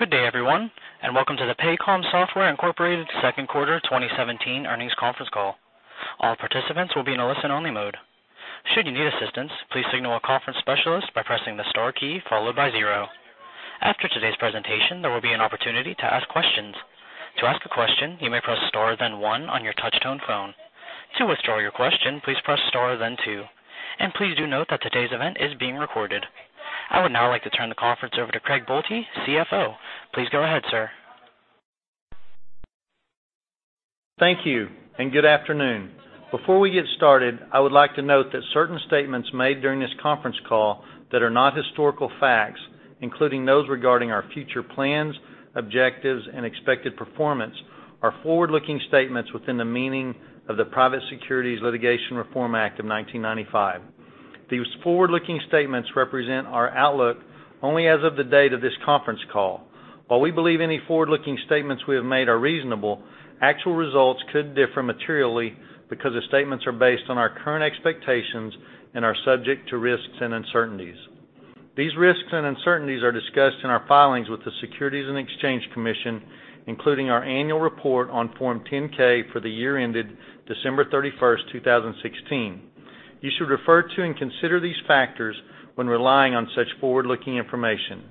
Good day, everyone, and welcome to the Paycom Software, Incorporated second quarter 2017 earnings conference call. All participants will be in a listen-only mode. Should you need assistance, please signal a conference specialist by pressing the star key followed by zero. After today's presentation, there will be an opportunity to ask questions. To ask a question, you may press star then one on your touch-tone phone. To withdraw your question, please press star then two. Please do note that today's event is being recorded. I would now like to turn the conference over to Craig Boelte, CFO. Please go ahead, sir. Thank you, and good afternoon. Before we get started, I would like to note that certain statements made during this conference call that are not historical facts, including those regarding our future plans, objectives, and expected performance, are forward-looking statements within the meaning of the Private Securities Litigation Reform Act of 1995. These forward-looking statements represent our outlook only as of the date of this conference call. While we believe any forward-looking statements we have made are reasonable, actual results could differ materially because the statements are based on our current expectations and are subject to risks and uncertainties. These risks and uncertainties are discussed in our filings with the Securities and Exchange Commission, including our annual report on Form 10-K for the year ended December 31, 2016. You should refer to and consider these factors when relying on such forward-looking information.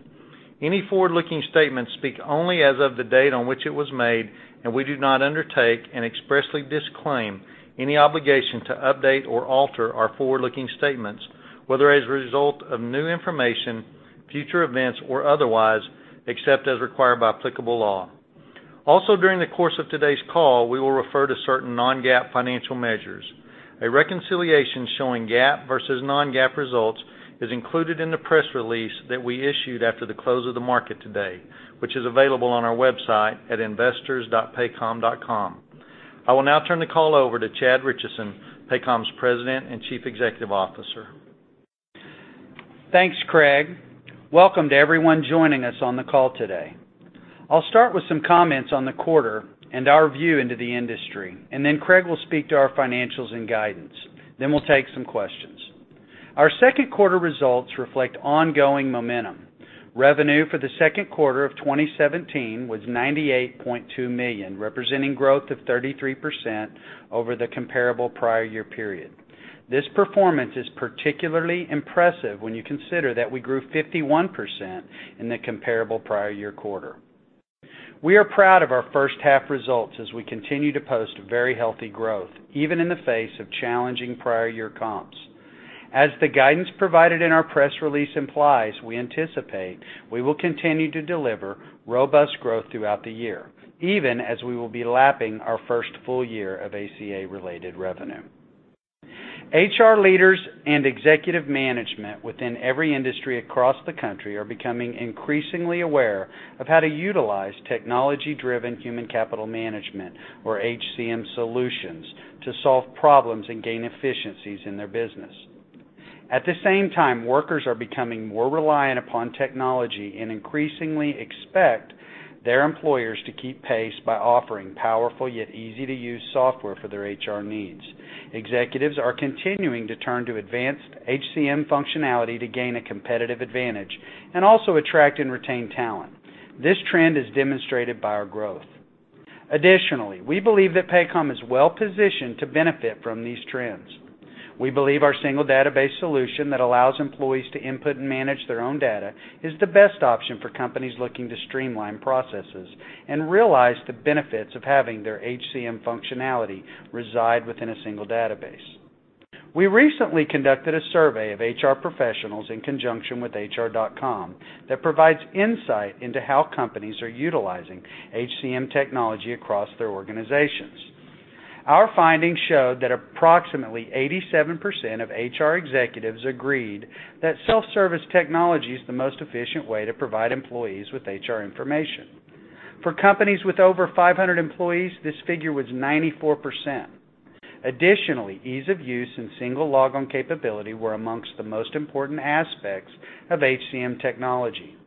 Any forward-looking statements speak only as of the date on which it was made. We do not undertake and expressly disclaim any obligation to update or alter our forward-looking statements, whether as a result of new information, future events, or otherwise, except as required by applicable law. Also, during the course of today's call, we will refer to certain non-GAAP financial measures. A reconciliation showing GAAP versus non-GAAP results is included in the press release that we issued after the close of the market today, which is available on our website at investors.paycom.com. I will now turn the call over to Chad Richison, Paycom's President and Chief Executive Officer. Thanks, Craig. Welcome to everyone joining us on the call today. I'll start with some comments on the quarter and our view into the industry. Craig will speak to our financials and guidance. We'll take some questions. Our second quarter results reflect ongoing momentum. Revenue for the second quarter of 2017 was $98.2 million, representing growth of 33% over the comparable prior year period. This performance is particularly impressive when you consider that we grew 51% in the comparable prior year quarter. We are proud of our first half results as we continue to post very healthy growth, even in the face of challenging prior year comps. As the guidance provided in our press release implies, we anticipate we will continue to deliver robust growth throughout the year, even as we will be lapping our first full year of ACA-related revenue. HR leaders and executive management within every industry across the country are becoming increasingly aware of how to utilize technology-driven human capital management, or HCM solutions, to solve problems and gain efficiencies in their business. At the same time, workers are becoming more reliant upon technology and increasingly expect their employers to keep pace by offering powerful yet easy-to-use software for their HR needs. Executives are continuing to turn to advanced HCM functionality to gain a competitive advantage and also attract and retain talent. This trend is demonstrated by our growth. Additionally, we believe that Paycom is well-positioned to benefit from these trends. We believe our single database solution that allows employees to input and manage their own data is the best option for companies looking to streamline processes and realize the benefits of having their HCM functionality reside within a single database. We recently conducted a survey of HR professionals in conjunction with HR.com that provides insight into how companies are utilizing HCM technology across their organizations. Our findings showed that approximately 87% of HR executives agreed that self-service technology is the most efficient way to provide employees with HR information. For companies with over 500 employees, this figure was 94%. Ease of use and single login capability were amongst the most important aspects of HCM technology.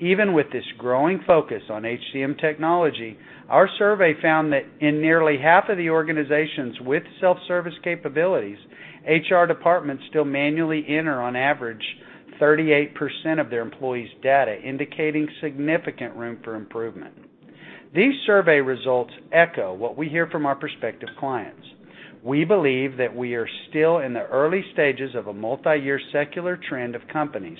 Even with this growing focus on HCM technology, our survey found that in nearly half of the organizations with self-service capabilities, HR departments still manually enter, on average, 38% of their employees' data, indicating significant room for improvement. These survey results echo what we hear from our prospective clients. We believe that we are still in the early stages of a multiyear secular trend of companies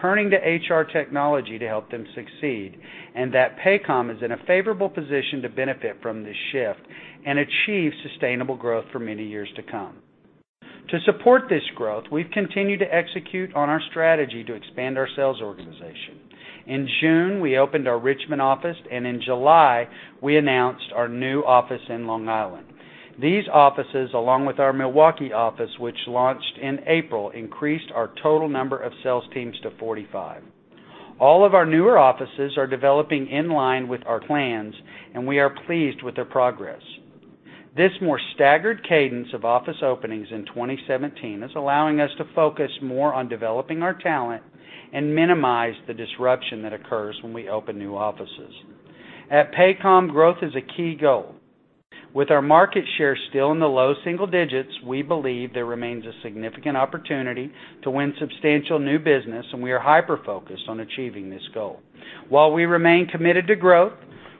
turning to HR technology to help them succeed, Paycom is in a favorable position to benefit from this shift and achieve sustainable growth for many years to come. To support this growth, we've continued to execute on our strategy to expand our sales organization. In June, we opened our Richmond office, and in July, we announced our new office in Long Island. These offices, along with our Milwaukee office, which launched in April, increased our total number of sales teams to 45. All of our newer offices are developing in line with our plans, and we are pleased with their progress. This more staggered cadence of office openings in 2017 is allowing us to focus more on developing our talent and minimize the disruption that occurs when we open new offices. At Paycom, growth is a key goal. With our market share still in the low single digits, we believe there remains a significant opportunity to win substantial new business, and we are hyper-focused on achieving this goal. While we remain committed to growth,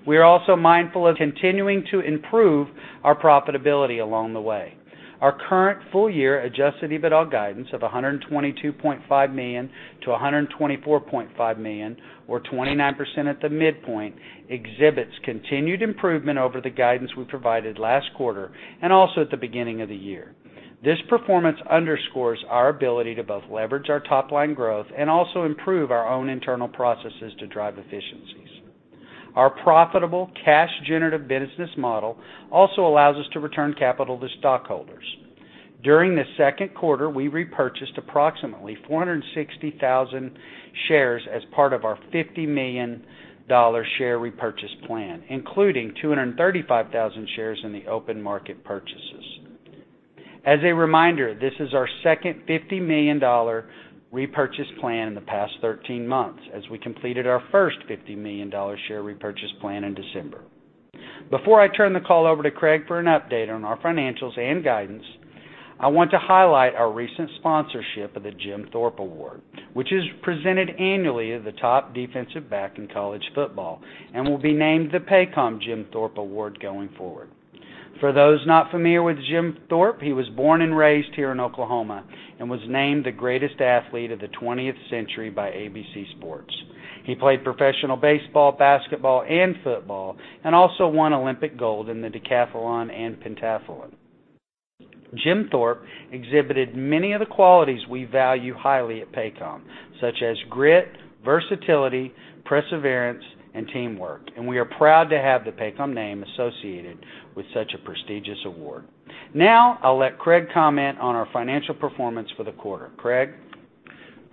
we are also mindful of continuing to improve our profitability along the way. Our current full year adjusted EBITDA guidance of $122.5 million-$124.5 million, or 29% at the midpoint, exhibits continued improvement over the guidance we provided last quarter, and also at the beginning of the year. This performance underscores our ability to both leverage our top-line growth and also improve our own internal processes to drive efficiencies. Our profitable cash generative business model also allows us to return capital to stockholders. During the second quarter, we repurchased approximately 460,000 shares as part of our $50 million share repurchase plan, including 235,000 shares in the open market purchases. As a reminder, this is our second $50 million repurchase plan in the past 13 months, as we completed our first $50 million share repurchase plan in December. Before I turn the call over to Craig for an update on our financials and guidance, I want to highlight our recent sponsorship of the Jim Thorpe Award, which is presented annually to the top defensive back in college football and will be named the Paycom Jim Thorpe Award going forward. For those not familiar with Jim Thorpe, he was born and raised here in Oklahoma, and was named the greatest athlete of the 20th century by ABC Sports. He played professional baseball, basketball, and football, and also won Olympic gold in the decathlon and pentathlon. Jim Thorpe exhibited many of the qualities we value highly at Paycom, such as grit, versatility, perseverance, and teamwork, and we are proud to have the Paycom name associated with such a prestigious award. I'll let Craig comment on our financial performance for the quarter. Craig?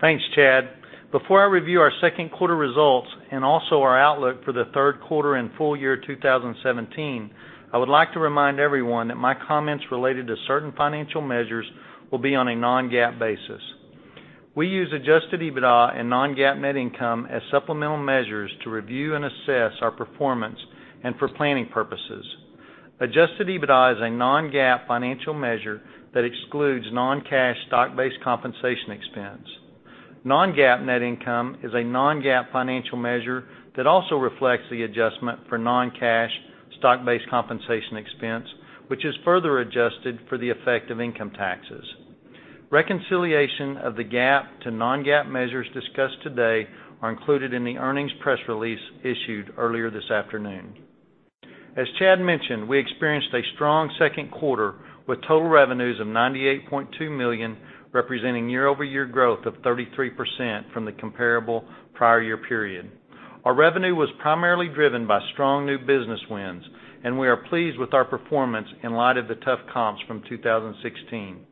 Thanks, Chad. Before I review our second quarter results and also our outlook for the third quarter and full year 2017, I would like to remind everyone that my comments related to certain financial measures will be on a non-GAAP basis. We use adjusted EBITDA and non-GAAP net income as supplemental measures to review and assess our performance and for planning purposes. Adjusted EBITDA is a non-GAAP financial measure that excludes non-cash stock-based compensation expense. Non-GAAP net income is a non-GAAP financial measure that also reflects the adjustment for non-cash stock-based compensation expense, which is further adjusted for the effect of income taxes. Reconciliation of the GAAP to non-GAAP measures discussed today are included in the earnings press release issued earlier this afternoon. As Chad mentioned, we experienced a strong second quarter with total revenues of $98.2 million, representing year-over-year growth of 33% from the comparable prior year period. Our revenue was primarily driven by strong new business wins, and we are pleased with our performance in light of the tough comps from 2016.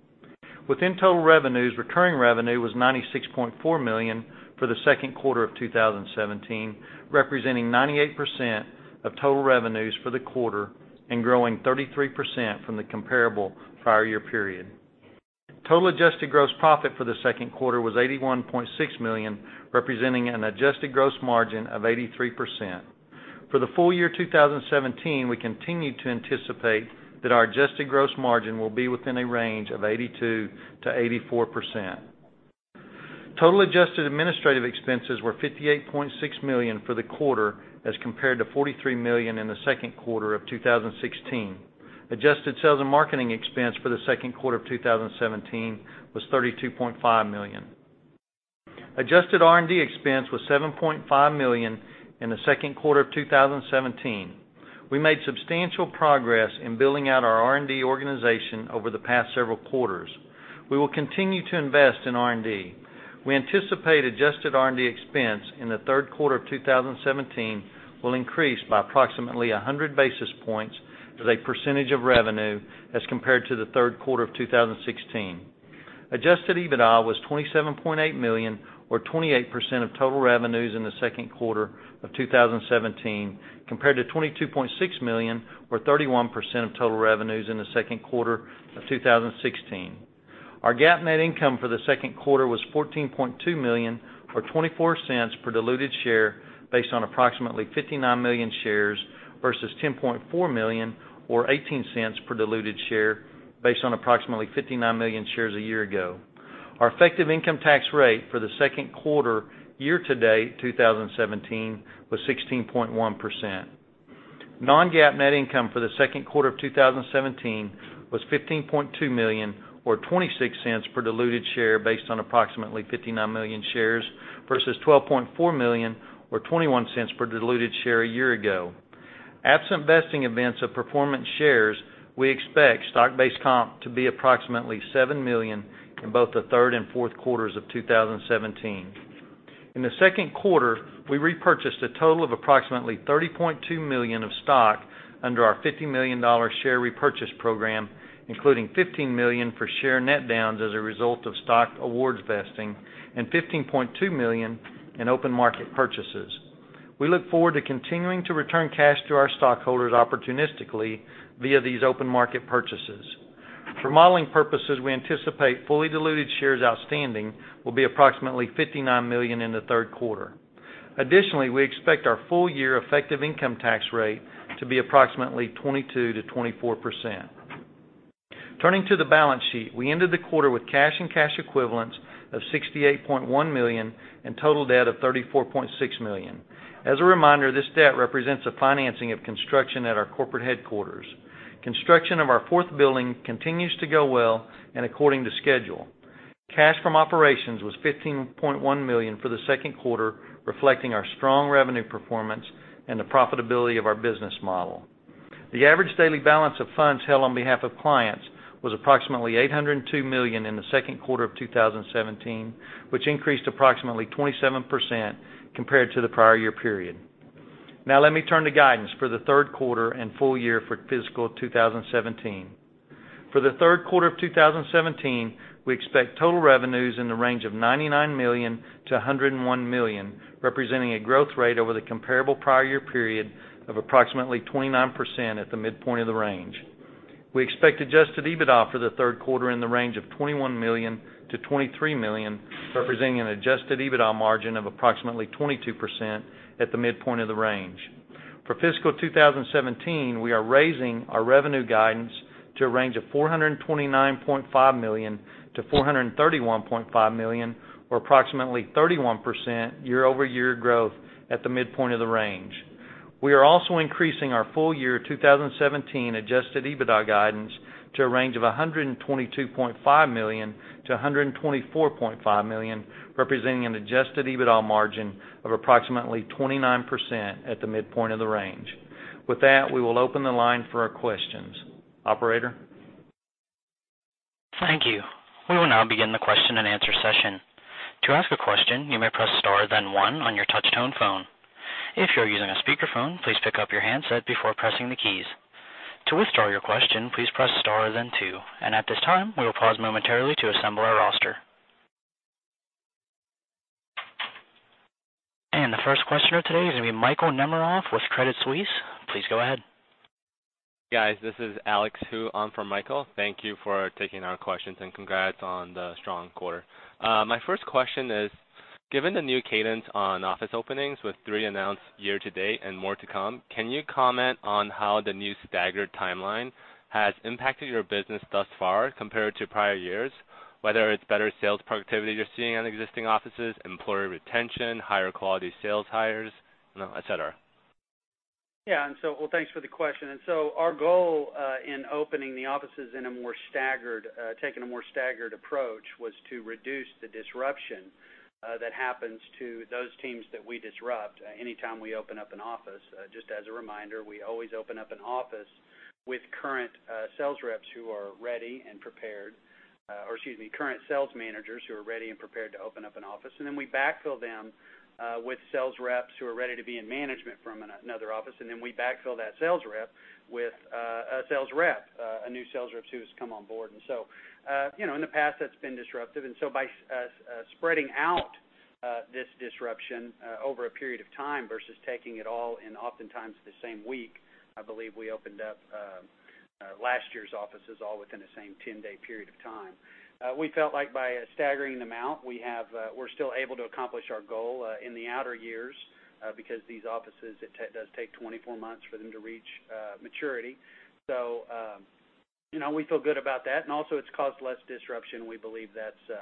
Within total revenues, recurring revenue was $96.4 million for the second quarter of 2017, representing 98% of total revenues for the quarter, and growing 33% from the comparable prior year period. Total adjusted gross profit for the second quarter was $81.6 million, representing an adjusted gross margin of 83%. For the full year 2017, we continue to anticipate that our adjusted gross margin will be within a range of 82%-84%. Total adjusted administrative expenses were $58.6 million for the quarter as compared to $43 million in the second quarter of 2016. Adjusted sales and marketing expense for the second quarter of 2017 was $32.5 million. Adjusted R&D expense was $7.5 million in the second quarter of 2017. We made substantial progress in building out our R&D organization over the past several quarters. We will continue to invest in R&D. We anticipate adjusted R&D expense in the third quarter of 2017 will increase by approximately 100 basis points as a percentage of revenue as compared to the third quarter of 2016. Adjusted EBITDA was $27.8 million, or 28% of total revenues in the second quarter of 2017, compared to $22.6 million, or 31% of total revenues in the second quarter of 2016. Our GAAP net income for the second quarter was $14.2 million, or $0.24 per diluted share based on approximately 59 million shares versus $10.4 million, or $0.18 per diluted share based on approximately 59 million shares a year ago. Our effective income tax rate for the second quarter year to date 2017 was 16.1%. Non-GAAP net income for the second quarter of 2017 was $15.2 million, or $0.26 per diluted share based on approximately 59 million shares versus $12.4 million, or $0.21 per diluted share a year ago. Absent vesting events of performance shares, we expect stock-based comp to be approximately seven million in both the third and fourth quarters of 2017. In the second quarter, we repurchased a total of approximately $30.2 million of stock under our $50 million share repurchase program, including $15 million for share net downs as a result of stock awards vesting, and $15.2 million in open market purchases. We look forward to continuing to return cash to our stockholders opportunistically via these open market purchases. For modeling purposes, we anticipate fully diluted shares outstanding will be approximately 59 million in the third quarter. Additionally, we expect our full year effective income tax rate to be approximately 22%-24%. Turning to the balance sheet, we ended the quarter with cash and cash equivalents of $68.1 million and total debt of $34.6 million. As a reminder, this debt represents a financing of construction at our corporate headquarters. Construction of our fourth building continues to go well and according to schedule. Cash from operations was $15.1 million for the second quarter, reflecting our strong revenue performance and the profitability of our business model. The average daily balance of funds held on behalf of clients was approximately $802 million in the second quarter of 2017, which increased approximately 27% compared to the prior year period. Now let me turn to guidance for the third quarter and full year for fiscal 2017. For the third quarter of 2017, we expect total revenues in the range of $99 million-$101 million, representing a growth rate over the comparable prior year period of approximately 29% at the midpoint of the range. We expect adjusted EBITDA for the third quarter in the range of $21 million-$23 million, representing an adjusted EBITDA margin of approximately 22% at the midpoint of the range. For fiscal 2017, we are raising our revenue guidance to a range of $429.5 million-$431.5 million, or approximately 31% year-over-year growth at the midpoint of the range. We are also increasing our full year 2017 adjusted EBITDA guidance to a range of $122.5 million-$124.5 million, representing an adjusted EBITDA margin of approximately 29% at the midpoint of the range. With that, we will open the line for our questions. Operator? Thank you. We will now begin the question and answer session. To ask a question, you may press star then one on your touch tone phone. If you're using a speakerphone, please pick up your handset before pressing the keys. To withdraw your question, please press star then two. At this time, we will pause momentarily to assemble our roster. The first questioner today is going to be Michael Nemeroff with Credit Suisse. Please go ahead. Guys, this is Alex Hu on for Michael. Thank you for taking our questions, and congrats on the strong quarter. My first question is, given the new cadence on office openings with three announced year to date and more to come, can you comment on how the new staggered timeline has impacted your business thus far compared to prior years, whether it's better sales productivity you're seeing on existing offices, employee retention, higher quality sales hires, et cetera? Well, thanks for the question. Our goal in opening the offices in a more staggered, taking a more staggered approach was to reduce the disruption that happens to those teams that we disrupt anytime we open up an office. Just as a reminder, we always open up an office with current sales managers who are ready and prepared to open up an office. Then we backfill them with sales reps who are ready to be in management from another office. Then we backfill that sales rep with a new sales rep who has come on board. In the past, that's been disruptive. By spreading out this disruption over a period of time versus taking it all in oftentimes the same week, I believe we opened up last year's offices all within the same 10-day period of time. We felt like by staggering them out, we're still able to accomplish our goal in the outer years because these offices, it does take 24 months for them to reach maturity. We feel good about that, also it's caused less disruption. We believe that's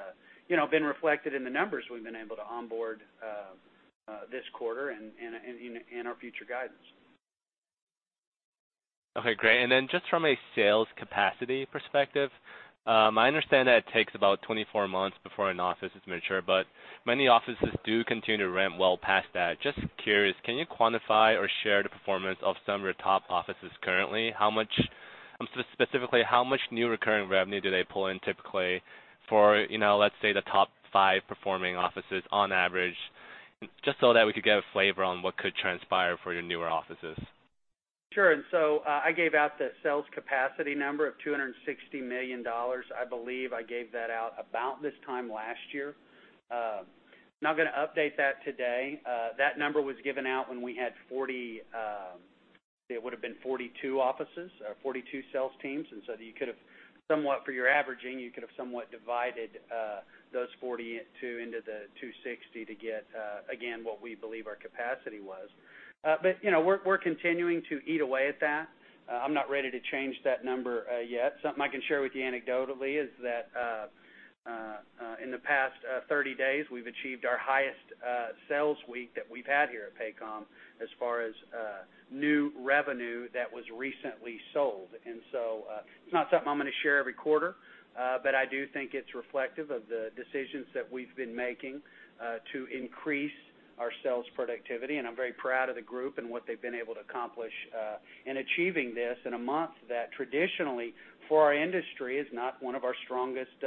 been reflected in the numbers we've been able to onboard this quarter and in our future guidance. Okay, great. Just from a sales capacity perspective, I understand that it takes about 24 months before an office is mature, but many offices do continue to ramp well past that. Just curious, can you quantify or share the performance of some of your top offices currently? Specifically, how much new recurring revenue do they pull in typically for, let's say, the top 5 performing offices on average, just so that we could get a flavor on what could transpire for your newer offices? Sure. I gave out the sales capacity number of $260 million. I believe I gave that out about this time last year. Not going to update that today. That number was given out when we had 42 offices or 42 sales teams. You could have somewhat, for your averaging, you could have somewhat divided those 42 into the 260 to get, again, what we believe our capacity was. We're continuing to eat away at that. I'm not ready to change that number yet. Something I can share with you anecdotally is that in the past 30 days, we've achieved our highest sales week that we've had here at Paycom as far as new revenue that was recently sold. It's not something I'm going to share every quarter, but I do think it's reflective of the decisions that we've been making to increase our sales productivity. I'm very proud of the group and what they've been able to accomplish in achieving this in a month that traditionally for our industry is not one of our strongest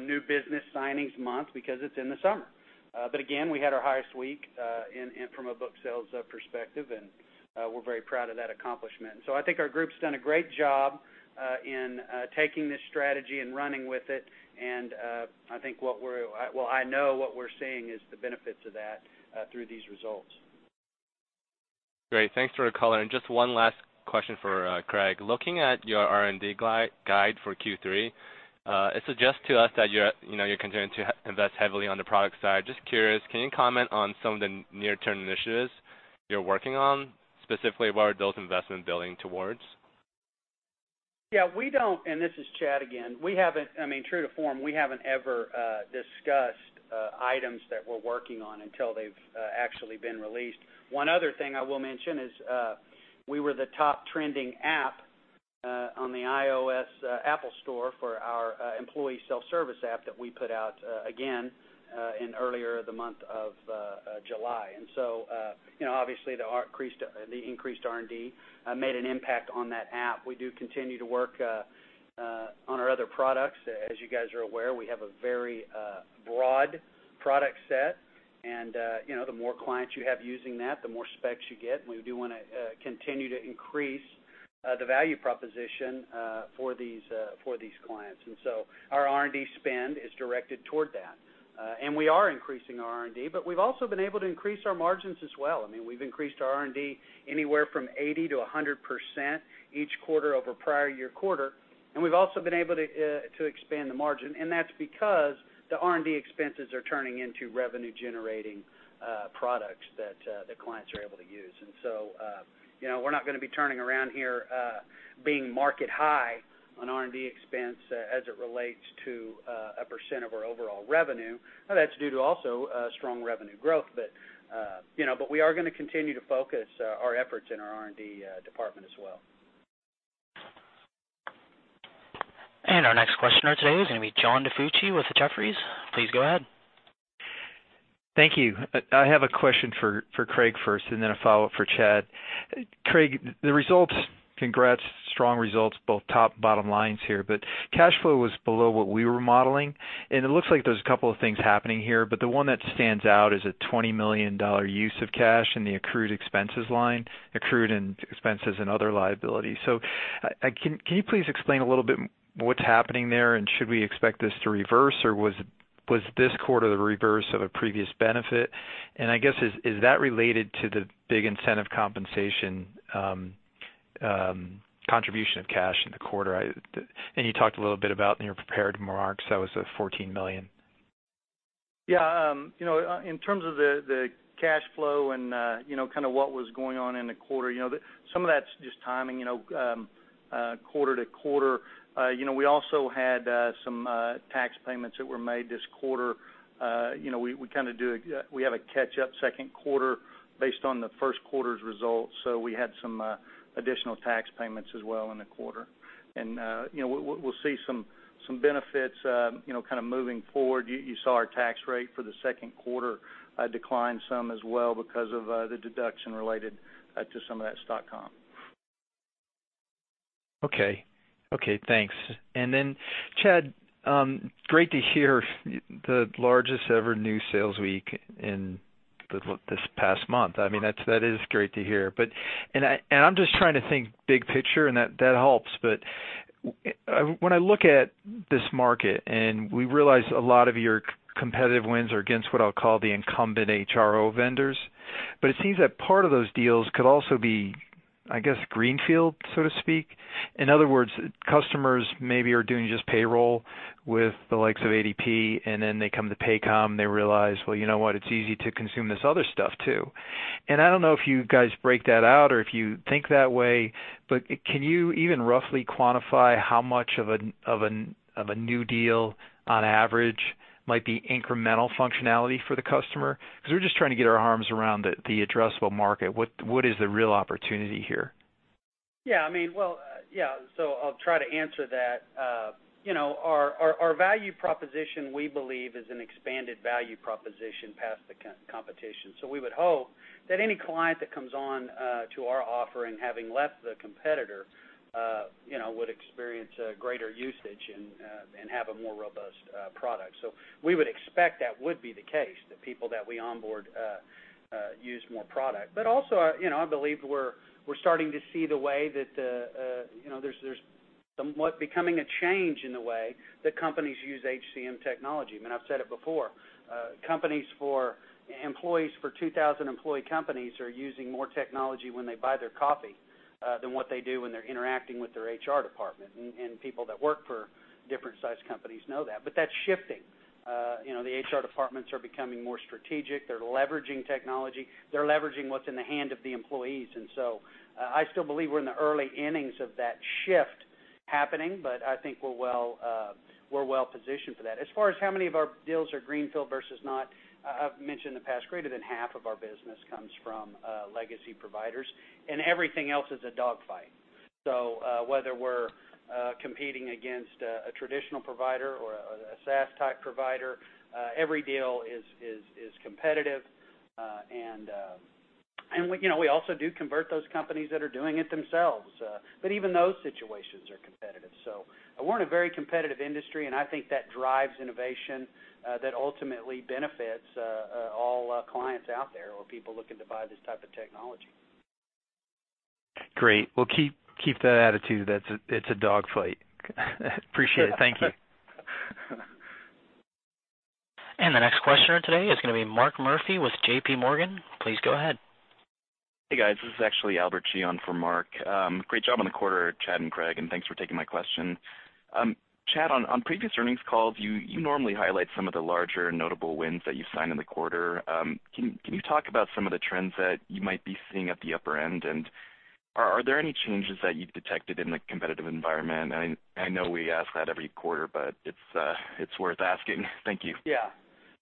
new business signings month because it's in the summer. We had our highest week from a book sales perspective, and we're very proud of that accomplishment. I think our group's done a great job in taking this strategy and running with it, and I know what we're seeing is the benefits of that through these results. Great. Thanks for the color. Just one last question for Craig Boelte. Looking at your R&D guide for Q3, it suggests to us that you're continuing to invest heavily on the product side. Just curious, can you comment on some of the near-term initiatives you're working on, specifically where those investment billing towards? This is Chad again. True to form, we haven't ever discussed items that we're working on until they've actually been released. One other thing I will mention is, we were the top trending app on the iOS Apple store for our employee self-service app that we put out again, in earlier the month of July. Obviously, the increased R&D made an impact on that app. We do continue to work on our other products. As you guys are aware, we have a very broad product set, and the more clients you have using that, the more specs you get, and we do want to continue to increase the value proposition for these clients. Our R&D spend is directed toward that. We are increasing our R&D, but we've also been able to increase our margins as well. We've increased our R&D anywhere from 80%-100% each quarter over prior-year quarter, and we've also been able to expand the margin, and that's because the R&D expenses are turning into revenue-generating products that the clients are able to use. We're not going to be turning around here being market high on R&D expense as it relates to a percent of our overall revenue. Now, that's due to also strong revenue growth, but we are going to continue to focus our efforts in our R&D department as well. Our next questioner today is going to be John DiFucci with Jefferies. Please go ahead. Thank you. I have a question for Craig first and then a follow-up for Chad. Craig, the results, congrats. Strong results, both top bottom lines here, but cash flow was below what we were modeling, and it looks like there's a couple of things happening here, but the one that stands out is a $20 million use of cash in the accrued expenses line, accrued in expenses and other liabilities. Can you please explain a little bit what's happening there, and should we expect this to reverse, or was this quarter the reverse of a previous benefit? I guess, is that related to the big incentive compensation contribution of cash in the quarter? You talked a little bit about in your prepared remarks, that was the $14 million. In terms of the cash flow and what was going on in the quarter, some of that's just timing, quarter to quarter. We also had some tax payments that were made this quarter. We have a catch-up second quarter based on the first quarter's results, so we had some additional tax payments as well in the quarter. We'll see some benefits moving forward. You saw our tax rate for the second quarter decline some as well because of the deduction related to some of that stock comp. Okay. Thanks. Then Chad, great to hear the largest ever new sales week in this past month. That is great to hear. I'm just trying to think big picture, and that helps, but when I look at this market, and we realize a lot of your competitive wins are against what I'll call the incumbent HRO vendors, but it seems that part of those deals could also be, I guess, greenfield, so to speak. In other words, customers maybe are doing just payroll with the likes of ADP, and then they come to Paycom. They realize, well, you know what? It's easy to consume this other stuff, too. I don't know if you guys break that out or if you think that way, but can you even roughly quantify how much of a new deal on average might be incremental functionality for the customer? Because we're just trying to get our arms around the addressable market. What is the real opportunity here? I'll try to answer that. Our value proposition, we believe, is an expanded value proposition past the competition. We would hope that any client that comes on to our offer and having left the competitor would experience a greater usage and have a more robust product. We would expect that would be the case, the people that we onboard use more product. Also, I believe we're starting to see there's somewhat becoming a change in the way that companies use HCM technology. I've said it before, employees for 2,000-employee companies are using more technology when they buy their coffee, than what they do when they're interacting with their HR department, and people that work for different sized companies know that. That's shifting. The HR departments are becoming more strategic. They're leveraging technology. They're leveraging what's in the hand of the employees. I still believe we're in the early innings of that shift happening, but I think we're well-positioned for that. As far as how many of our deals are greenfield versus not, I've mentioned in the past, greater than half of our business comes from legacy providers, everything else is a dog fight. Whether we're competing against a traditional provider or a SaaS type provider, every deal is competitive. We also do convert those companies that are doing it themselves. Even those situations are competitive. We're in a very competitive industry, and I think that drives innovation that ultimately benefits all clients out there or people looking to buy this type of technology. Great. Well, keep that attitude. That it's a dog fight. Appreciate it. Thank you. The next questioner today is going to be Mark Murphy with JPMorgan. Please go ahead. Hey, guys. This is actually Albert Chi for Mark. Great job on the quarter, Chad and Craig, and thanks for taking my question. Chad, on previous earnings calls, you normally highlight some of the larger notable wins that you've signed in the quarter. Can you talk about some of the trends that you might be seeing at the upper end? Are there any changes that you've detected in the competitive environment? I know we ask that every quarter, but it's worth asking. Thank you. Yeah.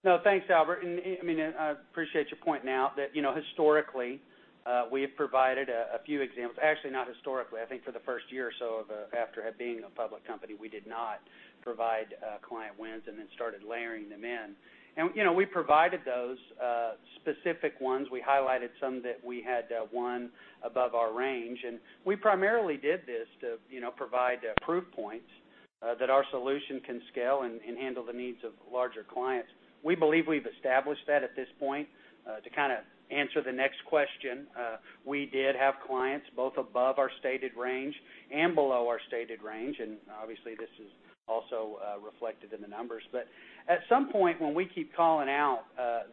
No, thanks, Albert. I appreciate your pointing out that, historically, we have provided a few examples. Actually, not historically. I think for the first year or so after being a public company, we did not provide client wins and then started layering them in. We provided those specific ones. We highlighted some that we had won above our range. We primarily did this to provide proof points that our solution can scale and handle the needs of larger clients. We believe we've established that at this point. To kind of answer the next question, we did have clients, both above our stated range and below our stated range, obviously this is also reflected in the numbers. At some point, when we keep calling out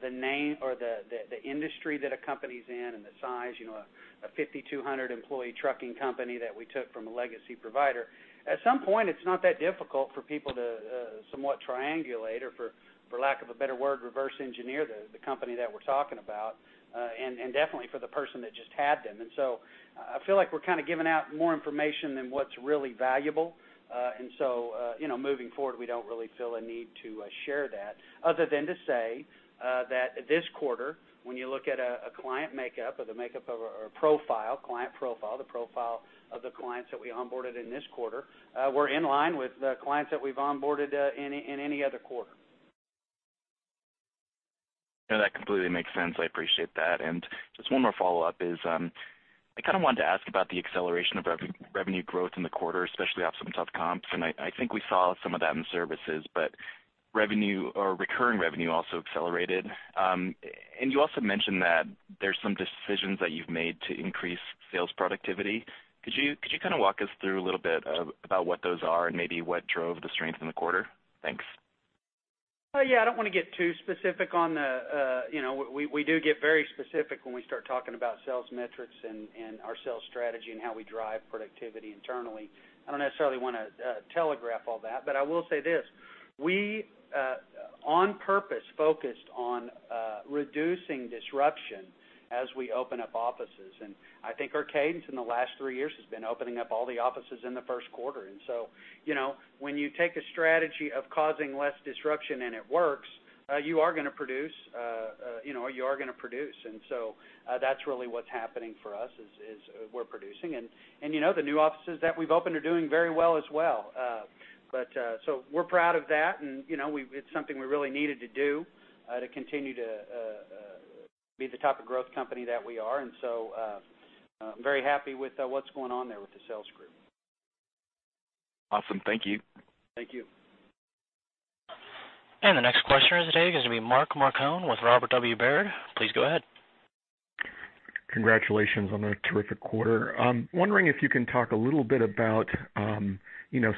the name or the industry that a company's in and the size, a 5,200-employee trucking company that we took from a legacy provider, at some point, it's not that difficult for people to somewhat triangulate or, for lack of a better word, reverse engineer the company that we're talking about, and definitely for the person that just had them. I feel like we're kind of giving out more information than what's really valuable. Moving forward, we don't really feel a need to share that other than to say that this quarter, when you look at a client makeup or the makeup of our profile, client profile, the profile of the clients that we onboarded in this quarter, we're in line with the clients that we've onboarded in any other quarter. No, that completely makes sense. I appreciate that. Just one more follow-up is I kind of wanted to ask about the acceleration of revenue growth in the quarter, especially off some tough comps. I think we saw some of that in services, but revenue or recurring revenue also accelerated. You also mentioned that there's some decisions that you've made to increase sales productivity. Could you kind of walk us through a little bit about what those are and maybe what drove the strength in the quarter? Thanks. Yeah, I don't want to get too specific. We do get very specific when we start talking about sales metrics and our sales strategy and how we drive productivity internally. I don't necessarily want to telegraph all that, but I will say this: We, on purpose, focused on reducing disruption as we open up offices. I think our cadence in the last three years has been opening up all the offices in the first quarter. When you take a strategy of causing less disruption and it works, you are going to produce. That's really what's happening for us, is we're producing. The new offices that we've opened are doing very well as well. We're proud of that, and it's something we really needed to do, to continue to be the type of growth company that we are. I'm very happy with what's going on there with the sales group. Awesome. Thank you. Thank you. The next questioner today is going to be Mark Marcon with Robert W. Baird. Please go ahead. Congratulations on a terrific quarter. I'm wondering if you can talk a little bit about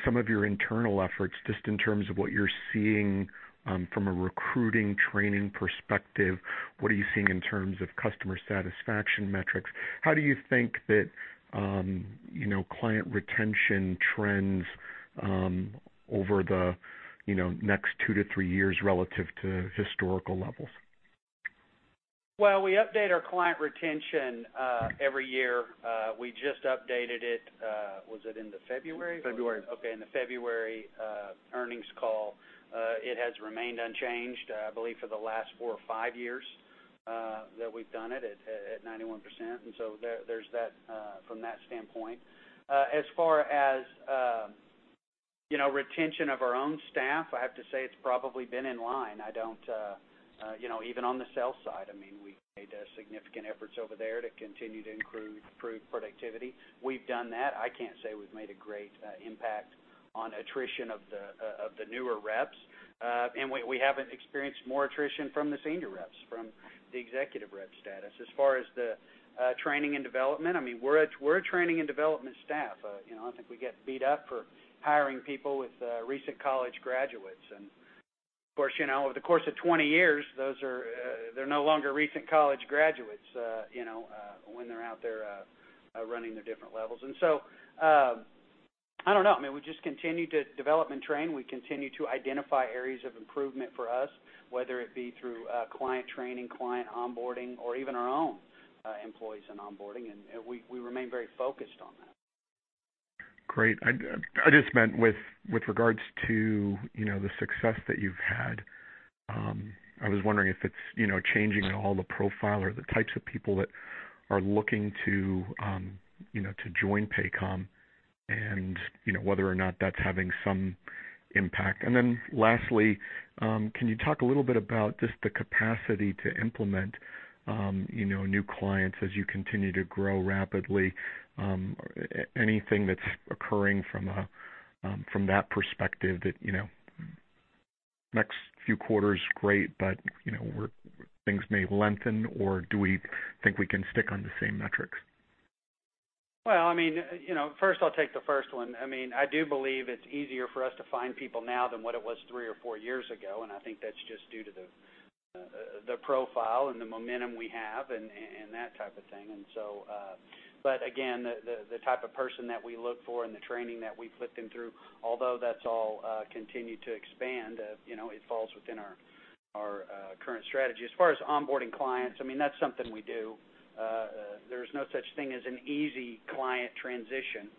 some of your internal efforts, just in terms of what you're seeing from a recruiting, training perspective. What are you seeing in terms of customer satisfaction metrics? How do you think that client retention trends over the next two to three years relative to historical levels? Well, we update our client retention every year. We just updated it. Was it in the February? February. Okay, in the February earnings call. It has remained unchanged, I believe, for the last four or five years that we've done it, at 91%. There's that from that standpoint. As far as retention of our own staff, I have to say it's probably been in line. Even on the sales side, we made significant efforts over there to continue to improve productivity. We've done that. I can't say we've made a great impact on attrition of the newer reps. We haven't experienced more attrition from the senior reps, from the executive rep status. As far as the training and development, we're a training and development staff. I think we get beat up for hiring people with recent college graduates. Of course, over the course of 20 years, they're no longer recent college graduates, when they're out there running their different levels. I don't know. We just continue to develop and train. We continue to identify areas of improvement for us, whether it be through client training, client onboarding, or even our own employees and onboarding, and we remain very focused on that. Great. I just meant with regards to the success that you've had, I was wondering if it's changing at all the profile or the types of people that are looking to join Paycom, and whether or not that's having some impact. Lastly, can you talk a little bit about just the capacity to implement new clients as you continue to grow rapidly? Anything that's occurring from that perspective that next few quarters, great, but things may lengthen, or do we think we can stick on the same metrics? Well, first I'll take the first one. I do believe it's easier for us to find people now than what it was three or four years ago, and I think that's just due to the profile and the momentum we have and that type of thing. Again, the type of person that we look for and the training that we put them through, although that's all continued to expand, it falls within our current strategy. As far as onboarding clients, that's something we do. There's no such thing as an easy client transition.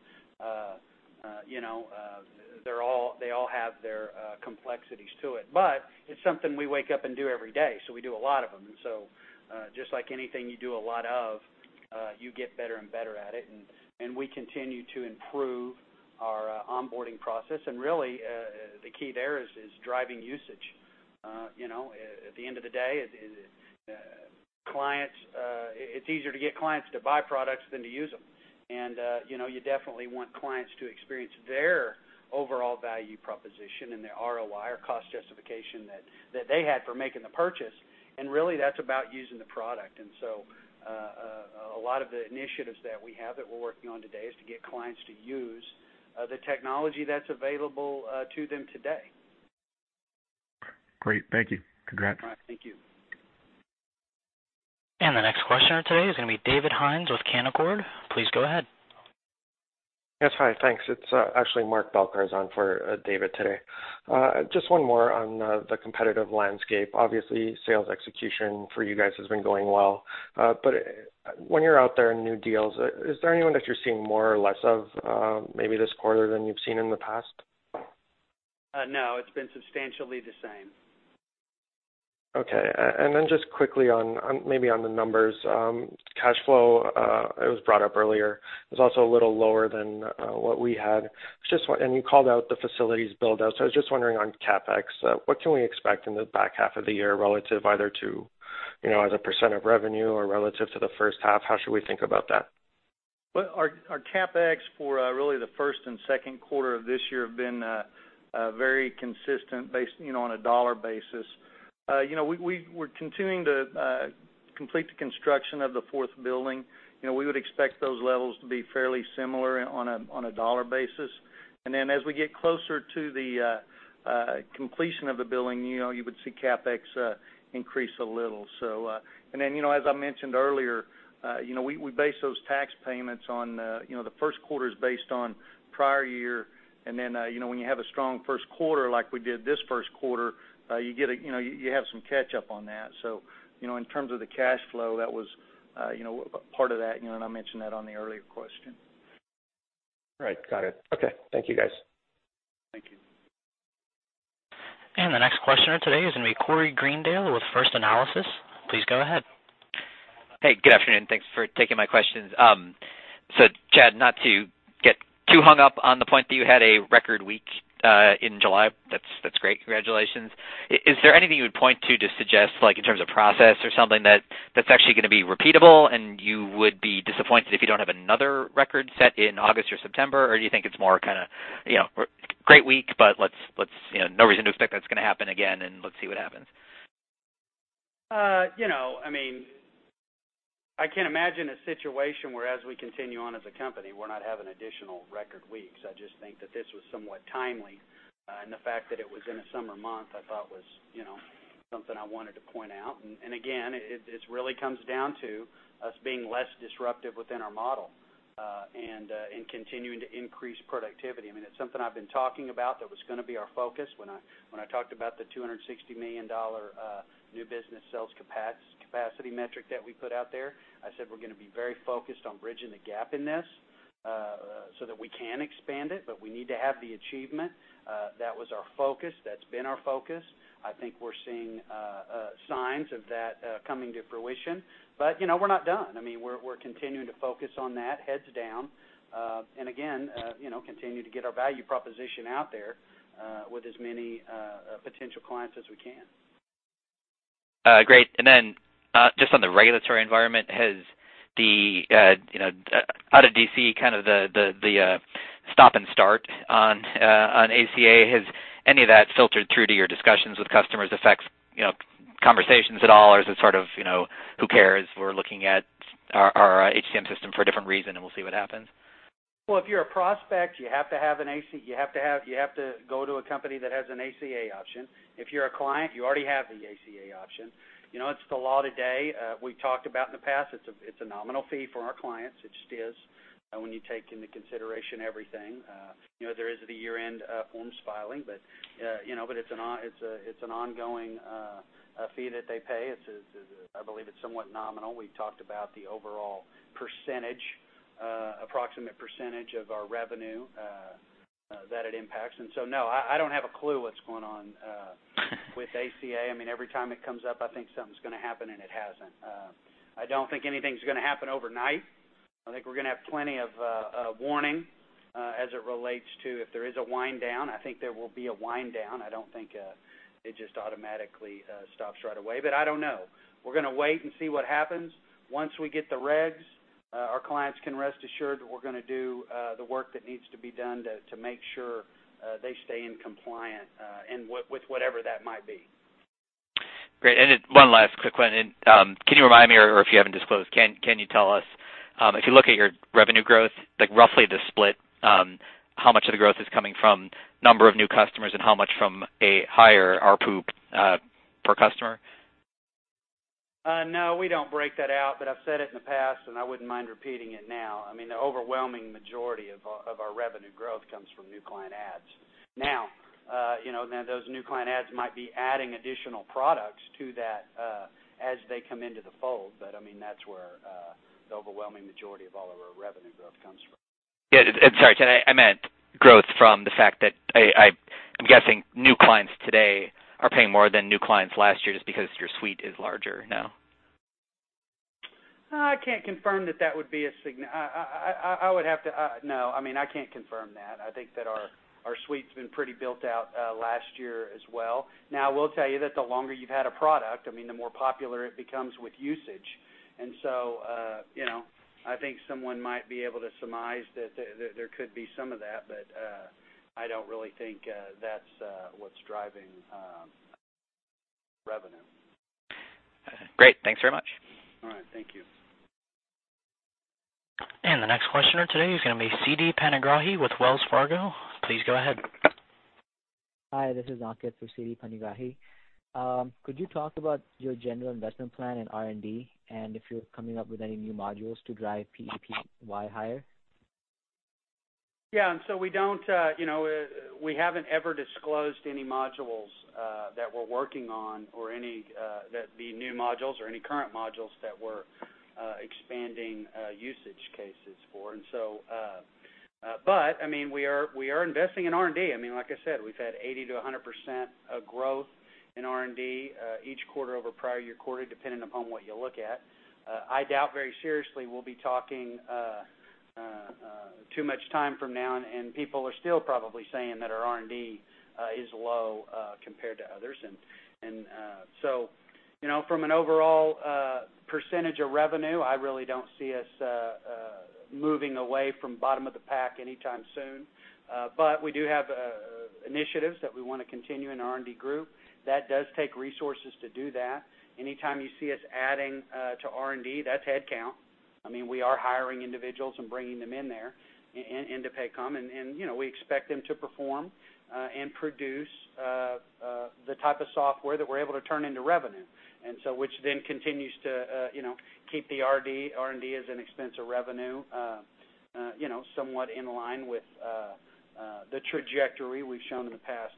They all have their complexities to it, but it's something we wake up and do every day, so we do a lot of them. Just like anything you do a lot of, you get better and better at it, and we continue to improve our onboarding process. Really, the key there is driving usage. At the end of the day, it's easier to get clients to buy products than to use them. You definitely want clients to experience their overall value proposition and their ROI or cost justification that they had for making the purchase. Really, that's about using the product. A lot of the initiatives that we have that we're working on today is to get clients to use the technology that's available to them today. Great. Thank you. Congrats. All right. Thank you. The next questioner today is going to be David Hynes with Canaccord. Please go ahead. That's fine. Thanks. It's actually Mark Belkar is on for David today. Just one more on the competitive landscape. Obviously, sales execution for you guys has been going well. When you're out there in new deals, is there anyone that you're seeing more or less of maybe this quarter than you've seen in the past? No, it's been substantially the same. Okay. Just quickly maybe on the numbers. Cash flow, it was brought up earlier. It was also a little lower than what we had. You called out the facilities build-out. I was just wondering on CapEx, what can we expect in the back half of the year relative either to as a percent of revenue or relative to the first half? How should we think about that? Well, our CapEx for really the first and second quarter of this year have been very consistent based on a dollar basis. We're continuing to complete the construction of the fourth building. We would expect those levels to be fairly similar on a dollar basis. As we get closer to the completion of the building, you would see CapEx increase a little. As I mentioned earlier, we base those tax payments on the first quarter is based on prior year, then when you have a strong first quarter like we did this first quarter, you have some catch up on that. In terms of the cash flow, that was part of that, and I mentioned that on the earlier question. Right. Got it. Okay. Thank you, guys. Thank you. The next questioner today is going to be Corey Greendale with First Analysis. Please go ahead. Hey, good afternoon. Thanks for taking my questions. Chad, not to get too hung up on the point that you had a record week in July. That's great. Congratulations. Is there anything you would point to suggest, like in terms of process or something that's actually going to be repeatable and you would be disappointed if you don't have another record set in August or September? Or do you think it's more kind of, great week, but no reason to expect that's going to happen again, and let's see what happens? I can't imagine a situation where as we continue on as a company, we're not having additional record weeks. I just think that this was somewhat timely, and the fact that it was in a summer month, I thought was something I wanted to point out. Again, it really comes down to us being less disruptive within our model, and continuing to increase productivity. It's something I've been talking about that was going to be our focus when I talked about the $260 million new business sales capacity metric that we put out there. I said we're going to be very focused on bridging the gap in this, so that we can expand it, but we need to have the achievement. That was our focus. That's been our focus. I think we're seeing signs of that coming to fruition. We're not done. We're continuing to focus on that, heads down. Again, continue to get our value proposition out there, with as many potential clients as we can. Great. Just on the regulatory environment, out of D.C., kind of the stop and start on ACA, has any of that filtered through to your discussions with customers, affects conversations at all, or is it sort of, who cares, we're looking at our HCM system for a different reason, and we'll see what happens? Well, if you're a prospect, you have to go to a company that has an ACA option. If you're a client, you already have the ACA option. It's the law today. We talked about in the past, it's a nominal fee for our clients. It just is, when you take into consideration everything. There is the year-end forms filing, but it's an ongoing fee that they pay. I believe it's somewhat nominal. We've talked about the overall approximate percentage of our revenue that it impacts. So, no, I don't have a clue what's going on with ACA. Every time it comes up, I think something's going to happen, and it hasn't. I don't think anything's going to happen overnight. I think we're going to have plenty of warning, as it relates to if there is a wind down. I think there will be a wind down. I don't think it just automatically stops right away, but I don't know. We're going to wait and see what happens. Once we get the regs, our clients can rest assured that we're going to do the work that needs to be done to make sure they stay in compliant, and with whatever that might be. Great. Then one last quick one. Can you remind me, or if you haven't disclosed, can you tell us, if you look at your revenue growth, roughly the split, how much of the growth is coming from number of new customers and how much from a higher ARPU per customer? No, we don't break that out, but I've said it in the past, and I wouldn't mind repeating it now. The overwhelming majority of our revenue growth comes from new client adds. Now, those new client adds might be adding additional products to that as they come into the fold, but that's where the overwhelming majority of all of our revenue growth comes from. Yeah. Sorry, I meant growth from the fact that, I'm guessing new clients today are paying more than new clients last year just because your suite is larger now. I can't confirm that. No, I can't confirm that. I think that our suite's been pretty built out last year as well. Now, I will tell you that the longer you've had a product, the more popular it becomes with usage. So, I think someone might be able to surmise that there could be some of that, but I don't really think that's what's driving revenue. Great. Thanks very much. All right. Thank you. The next questioner today is going to be Siti Panigrahi with Wells Fargo. Please go ahead. Hi, this is Ankit for Siti Panigrahi. Could you talk about your general investment plan in R&D, and if you're coming up with any new modules to drive PEPM higher? Yeah. We haven't ever disclosed any modules that we're working on, or any that the new modules or any current modules that we're expanding usage cases for. We are investing in R&D. Like I said, we've had 80%-100% of growth in R&D, each quarter over prior year quarter, depending upon what you look at. I doubt very seriously we'll be talking too much time from now, and people are still probably saying that our R&D is low compared to others. From an overall percentage of revenue, I really don't see us moving away from bottom of the pack anytime soon. We do have initiatives that we want to continue in R&D group. That does take resources to do that. Anytime you see us adding to R&D, that's head count. We are hiring individuals and bringing them in there, into Paycom, and we expect them to perform and produce the type of software that we're able to turn into revenue. Which then continues to keep the R&D as an expense of revenue, somewhat in line with the trajectory we've shown in the past.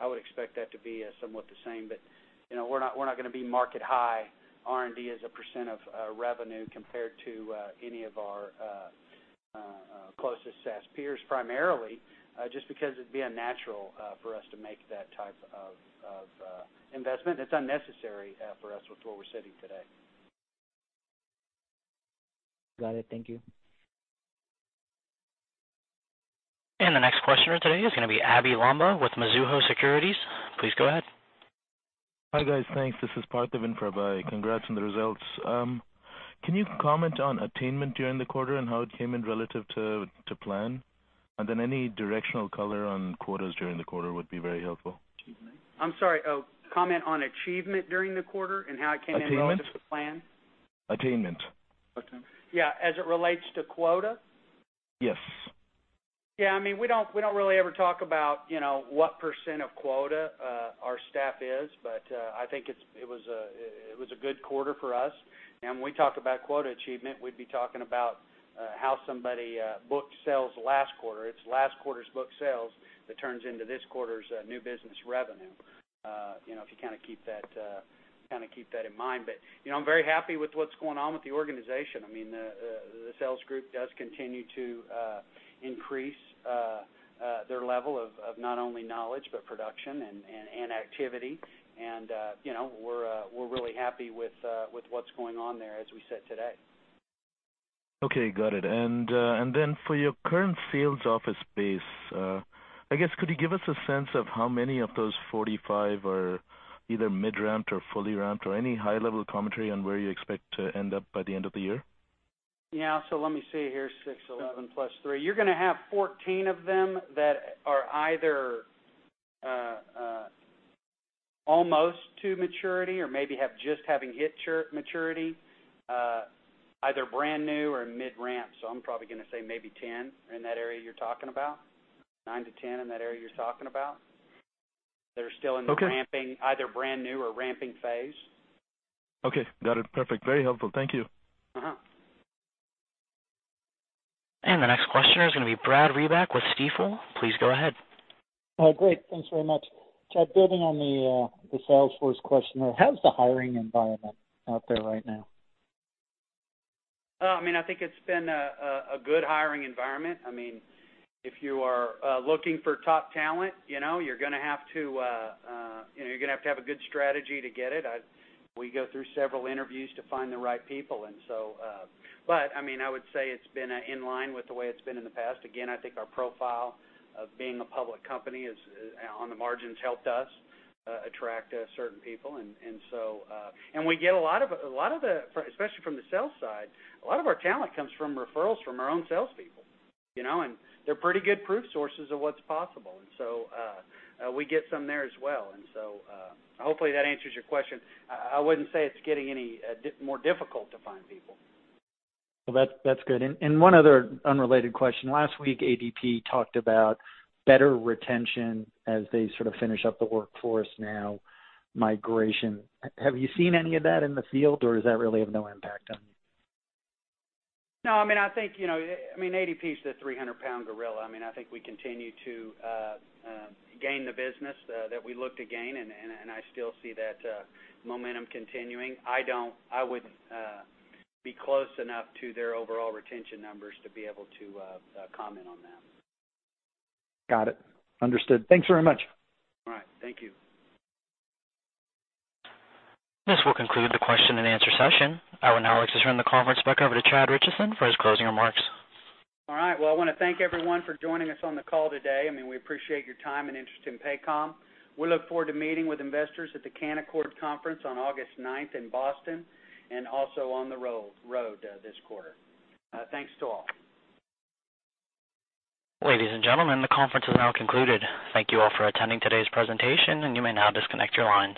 I would expect that to be somewhat the same. We're not going to be market high R&D as a percent of revenue compared to any of our closest SaaS peers, primarily, just because it'd be unnatural for us to make that type of investment. It's unnecessary for us with where we're sitting today. Got it. Thank you. The next questioner today is going to be Abhey Lamba with Mizuho Securities. Please go ahead. Hi, guys. Thanks. This is Parthiv Prabhakar. Congrats on the results. Can you comment on attainment during the quarter and how it came in relative to plan? Any directional color on quarters during the quarter would be very helpful. Excuse me? I'm sorry. Oh, comment on achievement during the quarter and how it came in- Attainment relative to plan? Attainment. Okay. Yeah, as it relates to quota? Yes. Yeah, we don't really ever talk about what % of quota our staff is. I think it was a good quarter for us. When we talk about quota achievement, we'd be talking about how somebody booked sales last quarter. It's last quarter's booked sales that turns into this quarter's new business revenue, if you keep that in mind. I'm very happy with what's going on with the organization. The sales group does continue to increase their level of not only knowledge, but production and activity. We're really happy with what's going on there as we sit today. Okay. Got it. Then for your current sales office base, I guess could you give us a sense of how many of those 45 are either mid-ramped or fully ramped, or any high-level commentary on where you expect to end up by the end of the year? Yeah. Let me see here, six, seven, plus three. You're going to have 14 of them that are either almost to maturity or maybe just having hit maturity, either brand new or mid-ramp. I'm probably going to say maybe 10 in that area you're talking about. Nine to 10 in that area you're talking about. They're still in the- Okay ramping, either brand new or ramping phase. Okay. Got it. Perfect. Very helpful. Thank you. The next questioner is going to be Brad Reback with Stifel. Please go ahead. Great. Thanks very much. Chad, building on the Salesforce question there, how's the hiring environment out there right now? I think it's been a good hiring environment. If you are looking for top talent, you're going to have to have a good strategy to get it. We go through several interviews to find the right people. I would say it's been in line with the way it's been in the past. Again, I think our profile of being a public company on the margins helped us attract certain people. We get a lot of the, especially from the sales side, a lot of our talent comes from referrals from our own salespeople, and they're pretty good proof sources of what's possible. We get some there as well. Hopefully that answers your question. I wouldn't say it's getting any more difficult to find people. Well, that's good. One other unrelated question. Last week, ADP talked about better retention as they sort of finish up the Workforce Now migration. Have you seen any of that in the field, or does that really have no impact on you? No. I think ADP's the 300-pound gorilla. I think we continue to gain the business that we look to gain, and I still see that momentum continuing. I wouldn't be close enough to their overall retention numbers to be able to comment on them. Got it. Understood. Thanks very much. All right. Thank you. This will conclude the question and answer session. I will now turn the conference back over to Chad Richison for his closing remarks. All right. Well, I want to thank everyone for joining us on the call today. We appreciate your time and interest in Paycom. We look forward to meeting with investors at the Canaccord conference on August ninth in Boston, and also on the road this quarter. Thanks to all. Ladies and gentlemen, the conference is now concluded. Thank you all for attending today's presentation, and you may now disconnect your lines.